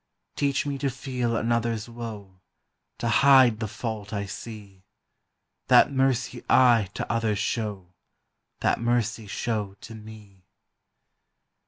Teach me to feel another's woe, To hide the fault I see; That mercy I to others show, That mercy show to me.